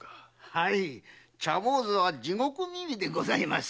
はい茶坊主は地獄耳でございます。